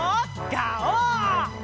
ガオー！